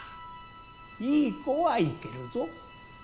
いい子は行けるぞ。